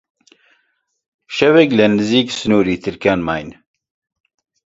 شەوێک لە نزیک سنووری ترکان ماین